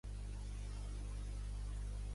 A més del xinès cantonès parla anglès i espanyol.